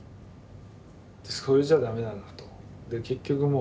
それじゃダメなんだと。